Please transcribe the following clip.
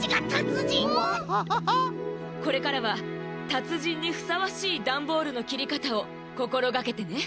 これからはたつじんにふさわしいダンボールのきりかたをこころがけてね。